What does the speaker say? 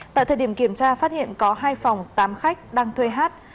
tại thời điểm kiểm tra phát hiện có hai phòng tám khách đang thuê hát